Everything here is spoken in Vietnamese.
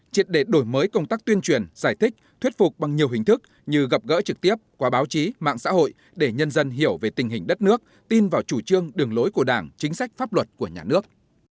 triệt để đổi mới công tác tuyên truyền giải thích thuyết phục bằng nhiều hình thức như gặp gỡ trực tiếp qua báo chí mạng xã hội để nhân dân hiểu về tình hình đất nước tin vào chủ trương đường lối của đảng chính sách pháp luật của nhà nước